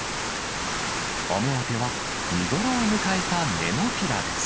お目当ては見頃を迎えたネモフィラです。